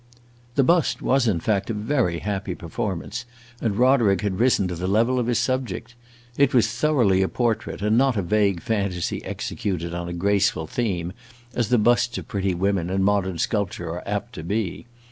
The bust was in fact a very happy performance, and Roderick had risen to the level of his subject. It was thoroughly a portrait, and not a vague fantasy executed on a graceful theme, as the busts of pretty women, in modern sculpture, are apt to be.